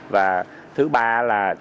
và thứ ba là